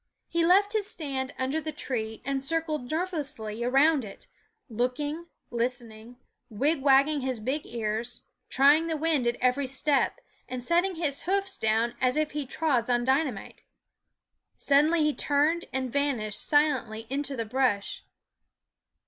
He left his stand under the tree and circled nervously around it, looking, listening, wig wagging his big ears, trying the wind at every step, and setting his hoofs down as if he trod on dynamite. Suddenly he turned and vanished silently into the brush.